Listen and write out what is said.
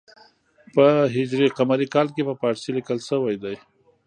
په ه ق کال کې په پارسي لیکل شوی دی.